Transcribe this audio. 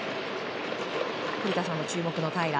古田さんの注目の平良。